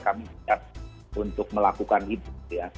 kami bisa untuk melakukan itu